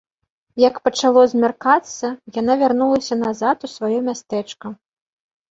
Як пачало змяркацца, яна вярнулася назад у сваё мястэчка.